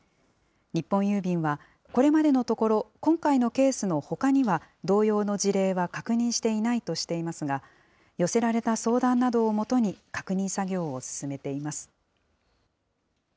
日本郵便は、これまでのところ、今回のケースのほかには同様の事例は確認していないとしていますが、寄せられた相談などをもとに、確認作業を進めています。